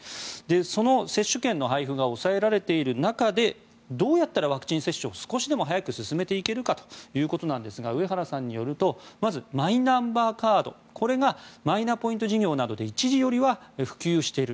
その接種券の配布が抑えられている中でどうやったらワクチン接種を少しでも早く進めていけるかということなんですが上原さんによるとまずマイナンバーカードこれがマイナポイント事業などで一時よりは普及をしている。